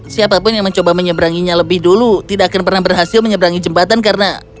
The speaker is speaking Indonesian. siapapun yang mencoba menyeberanginya lebih dulu tidak akan pernah berhasil menyeberangi jembatan karena